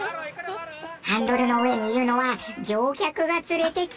ハンドルの上にいるのは乗客が連れてきたサル！